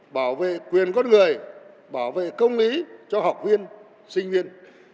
bảo vệ quyền con người bảo vệ công lý cho học viên sinh viên